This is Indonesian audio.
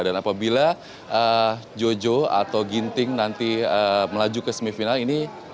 jujur jhojo atau ginting nanti melaju ke semifinal ini